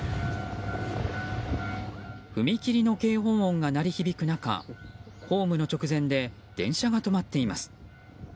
踏切の警報音が鳴り響く中ホームの直前で電車が止まっています。